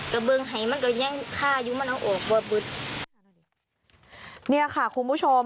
เบิงหายมันก็แย่งฆ่ายุมันเอาออกบ่อบึดเนี่ยค่ะคุณผู้ชม